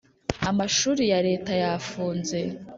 amashuri ya Leta yafunze